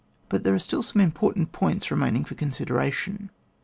But there are still some important points remaining for consideration.